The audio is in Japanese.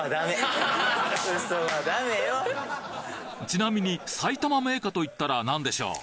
ちなみに埼玉銘菓といったらなんでしょう？